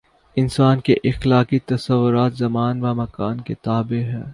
انسان کے اخلاقی تصورات زمان و مکان کے تابع ہیں۔